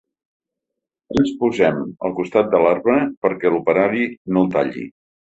Ens posem al costat de l’arbre perquè l’operari no el talli.